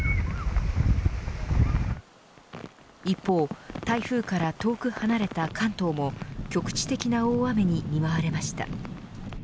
一方台風から遠く離れた関東も局地的な大雨に見舞われました。